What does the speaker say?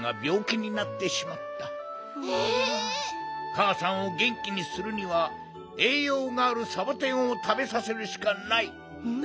かあさんをげんきにするにはえいようがあるサボテンをたべさせるしかない。